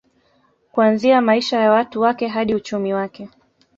Kuanzia maisha ya watu wake hadi uchumi wake